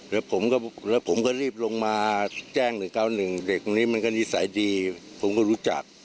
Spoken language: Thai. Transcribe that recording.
แล้วผมก็แล้วผมก็รีบลงมาแจ้ง๑๙๑เด็กตรงนี้มันก็นิสัยดีผมก็รู้จัก